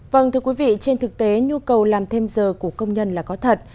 vâng thưa quý vị trên thực tế nhu cầu làm thêm giờ của công nhân là có thật